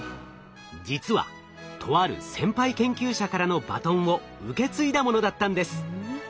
実はとある先輩研究者からのバトンを受け継いだものだったんです。